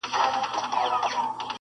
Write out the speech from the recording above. • هم په منډه پهلوان وو تر هوسیانو -